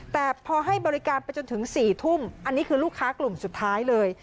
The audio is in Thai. แต่พอให้บริการไปจนถึง๔ทุ่มอันนี้คือลูกค้ากลุ่มสุดท้ายเลย